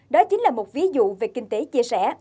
đó chính là một ví dụ về kinh tế chia sẻ